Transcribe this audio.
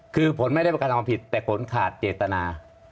คือฝนไม่ได้กระทำวันผิดแต่ฝนขาดเจตนา